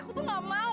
aku tuh gak mau